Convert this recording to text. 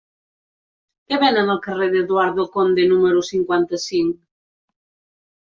Què venen al carrer d'Eduardo Conde número cinquanta-cinc?